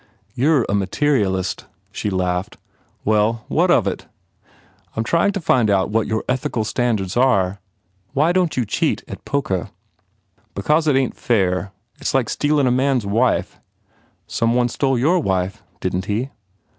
"You re a materialist," she laughed. "Well, what of it?" "I m trying to find out what your ethical standards are. Why don t you cheat at poker?" "Because it ain t fair. It s like stealin a man s wife." "Some one stole your wife, didn t he?"